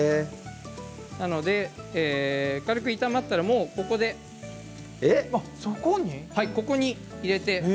なので軽く炒まったら、ここでここに入れて。